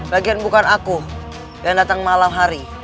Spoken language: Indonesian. bagian bukan aku yang datang malam hari